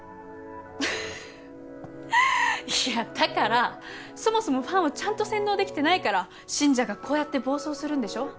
ふふっいやだからそもそもファンをちゃんと洗脳できてないから信者がこうやって暴走するんでしょ。